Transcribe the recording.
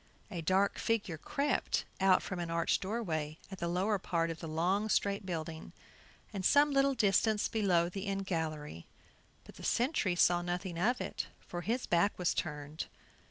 A dark figure crept out from an arched doorway at the lower part of the long straight building, and some little distance below the end gallery, but the sentry saw nothing of it, for his back was turned.